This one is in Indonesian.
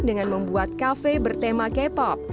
dengan membuat kafe bertema k pop